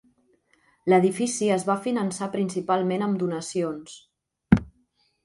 L'edifici es va finançar principalment amb donacions.